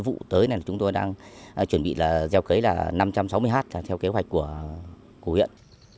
vụ tới này chúng tôi đang chuẩn bị là gieo cấy là năm trăm sáu mươi hectare theo kế hoạch của huyện